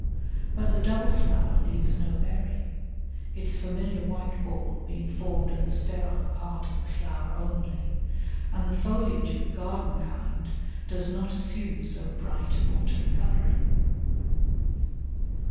But the double flower leaves no berry, its familiar white ball being formed of the sterile part of the flower only, and the foliage of the garden kind does not assume so bright an autumn colouring.